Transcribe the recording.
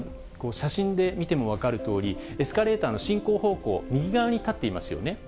写真で見ても分かるとおり、エスカレーターの進行方向右側に立っていますよね。